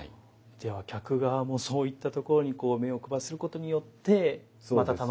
では客側もそういったところにこう目を配らせることによってまた楽しみ方が一つ増えるわけですね。